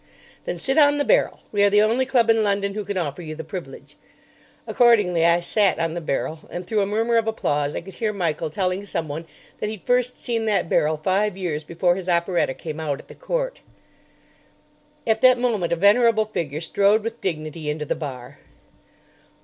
"Then sit on the barrel. We are the only club in London who can offer you the privilege." Accordingly I sat on the barrel, and through a murmur of applause I could hear Michael telling someone that he'd first seen that barrel five years before his operetta came out at the Court. At that moment a venerable figure strode with dignity into the bar.